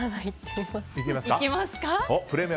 いきますか。